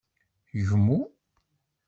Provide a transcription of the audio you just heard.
Gmu.